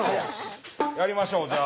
やりましょうじゃあ。